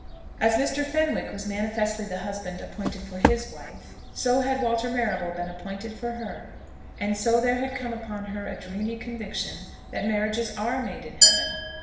As Mr. Fenwick was manifestly the husband appointed for his wife, so had Walter Marrable been appointed for her. And so there had come upon her a dreamy conviction that marriages are made in heaven.